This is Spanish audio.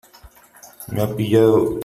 ¡ me ha pillado !